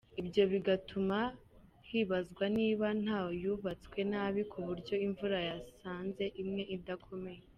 Ibyo bigatuma hibazwa niba nta yubatswe nabi ku buryo imvura yasanze imwe idakomeye.